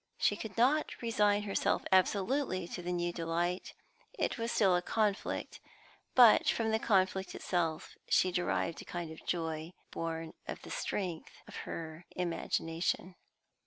She could not resign herself absolutely to the new delight; it was still a conflict; but from the conflict itself she derived a kind of joy, born of the strength of her imagination.